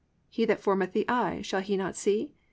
He that formed the eye, shall he not see?